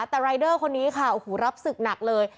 แต่รายเดอร์คนนี้ค่ะโอ้โหรับศึกหนักเลย